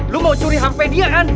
lo mau curi hp dia kan